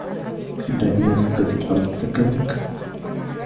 كلا إذا دكت الأرض دكا دكا